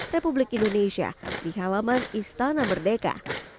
republik indonesia di halaman istana merdeka